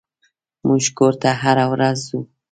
موږ کور ته هره ورځ ځو.